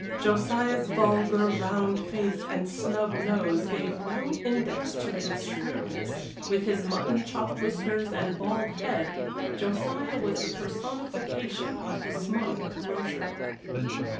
Josiah's vulgar, round face and snub nose gave no index to his shrewdness; with his mutton chop whiskers and bald head, Josiah was the personification of the smug grocer.